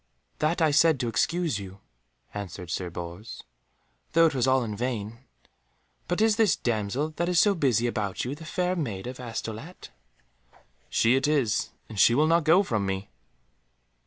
"That I said to excuse you," answered Sir Bors, "though it was all in vain. But is this damsel that is so busy about you the Fair Maid of Astolat?" "She it is, and she will not go from me!"